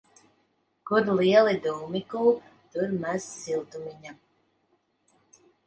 Kur lieli dūmi kūp, tur maz siltumiņa.